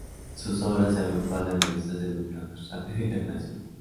Sus obras se agrupan en revistas denominadas "Rápido internacional".